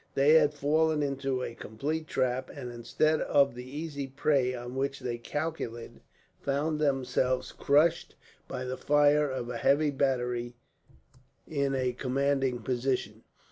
They had fallen into a complete trap, and instead of the easy prey on which they calculated, found themselves crushed by the fire of a heavy battery in a commanding position.